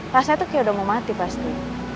rasanya tuh kayak udah mau mati pasti